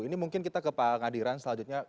ini mungkin kita ke pak ngadiran selanjutnya